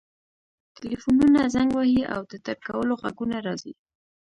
ټیلیفونونه زنګ وهي او د ټایپ کولو غږونه راځي